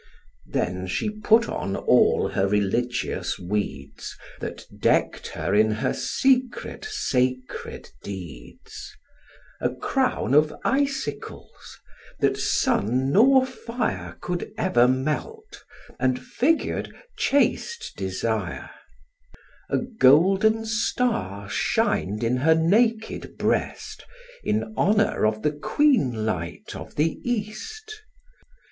Then she put on all her religious weeds, That deck'd her in her secret sacred deeds; A crown of icicles, that sun nor fire Could ever melt, and figur'd chaste desire; A golden star shin'd in her naked breast, In honour of the queen light of the east.